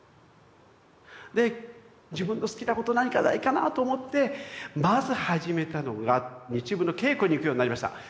で自分の好きなこと何かないかなぁと思ってまず始めたのが日舞の稽古に行くようになりました。